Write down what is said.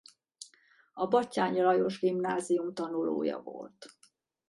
A Batthyány Lajos Gimnázium tanulója volt.